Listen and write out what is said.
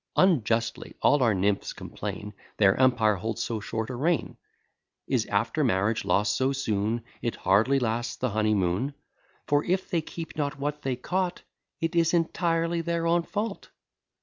Unjustly all our nymphs complain Their empire holds so short a reign; Is, after marriage, lost so soon, It hardly lasts the honey moon: For, if they keep not what they caught, It is entirely their own fault.